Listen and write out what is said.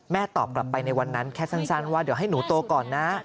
ตอบกลับไปในวันนั้นแค่สั้นว่าเดี๋ยวให้หนูโตก่อนนะ